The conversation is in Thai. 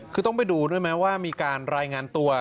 คือต้องไปดูด้วยไหมว่ามีการรายงานตัว